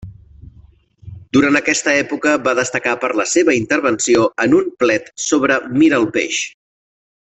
Durant aquesta època va destacar per la seva intervenció en un plet sobre Miralpeix.